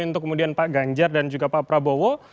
untuk kemudian pak ganjar dan juga pak prabowo